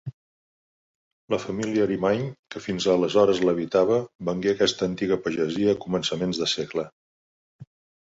La família Arimany, que fins aleshores l'habitava, vengué aquesta antiga pagesia a començaments de segle.